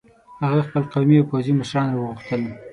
هغه خپل قومي او پوځي مشران را وغوښتل.